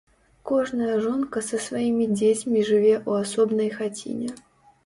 Кожная жонка са сваімі дзецьмі жыве ў асобнай хаціне.